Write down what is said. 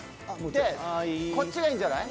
でこっちがいいんじゃない？